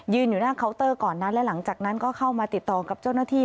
อยู่หน้าเคาน์เตอร์ก่อนนั้นและหลังจากนั้นก็เข้ามาติดต่อกับเจ้าหน้าที่